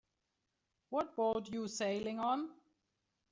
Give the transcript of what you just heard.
What boat you sailing on?